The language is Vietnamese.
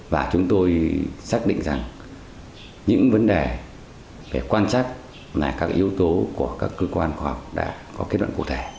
và chúng tôi xác định rằng những vấn đề về quan chắc là các yếu tố của các cơ quan khoa học đã có kết luận cụ thể